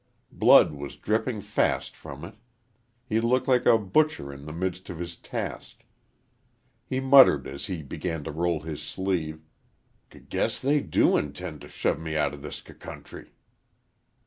Blood was dripping fast from it; he looked like a butcher in the midst of his task. He muttered as he began to roll his sleeve, "G guess they do inten't' shove me out o' this c country."